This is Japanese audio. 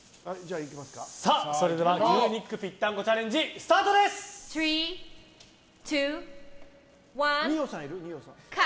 それでは牛肉ぴったんこチャレンジ二葉さん、いる？